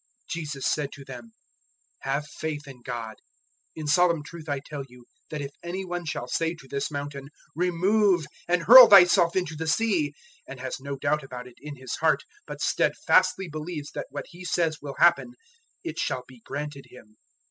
011:022 Jesus said to them, "Have faith in God. 011:023 In solemn truth I tell you that if any one shall say to this mountain, 'Remove, and hurl thyself into the sea,' and has no doubt about it in his heart, but stedfastly believes that what he says will happen, it shall be granted him.